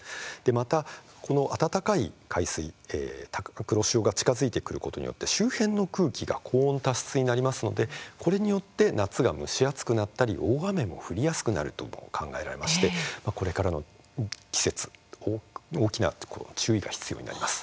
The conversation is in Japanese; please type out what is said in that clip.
また、暖かい海水黒潮が近づいてくることによって周辺の空気が高温多湿になりますのでこれによって夏が蒸し暑くなったり大雨も降りやすくなるとも考えられましてこれからの季節大きな注意が必要になります。